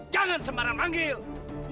jangan sembarang mohon